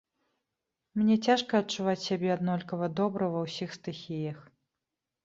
Мне цяжка адчуваць сябе аднолькава добра ва ўсіх стыхіях.